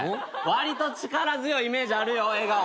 わりと力強いイメージあるよ笑顔。